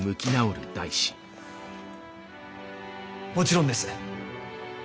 もちろんです！